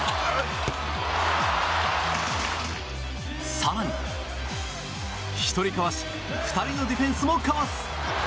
更に、１人かわし２人のディフェンスもかわす！